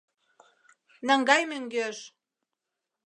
Наҥгай мӧҥгеш.